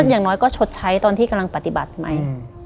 อย่างน้อยก็ชดใช้ตอนที่กำลังปฏิบัติใหม่